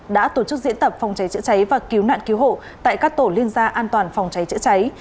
đã tổ chức diễn tập phòng cháy chữa cháy và cứu nạn cứu hộ tại các tổ liên gia an toàn phòng cháy chữa cháy